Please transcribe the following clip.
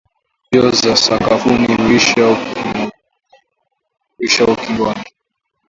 Mbio za sakafuni huishia ukingoni.